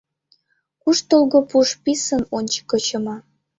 Куштылго пуш писын ончыко чыма.